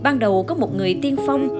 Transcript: ban đầu có một người tiên phong